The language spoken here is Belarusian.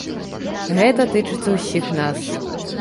Гэта тычыцца ўсіх нас.